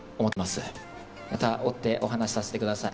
これもまた追ってお話させてください。